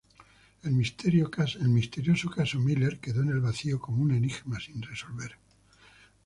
El misterioso caso Miller quedó en el vacío como un enigma sin resolver.